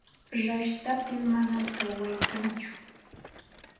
Rashtaptin manam kaway kantsu.